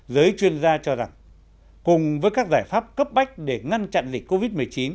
giới chuyên gia cho rằng cùng với các giải pháp cấp bách để ngăn chặn dịch covid một mươi chín